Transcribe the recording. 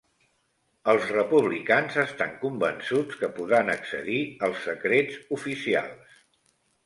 Els republicans estan convençuts que podran accedir als secrets oficials